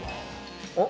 おっ！